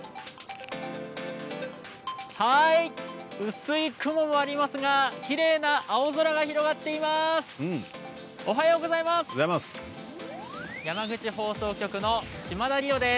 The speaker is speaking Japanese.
薄い雲もありますがきれいな青空が広がっています。